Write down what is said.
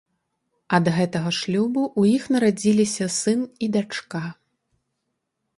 Ад гэтага шлюбу ў іх нарадзіліся сын і дачка.